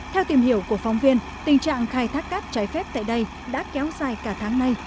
theo tìm hiểu của phóng viên tình trạng khai thác cát trái phép tại đây đã kéo dài cả tháng nay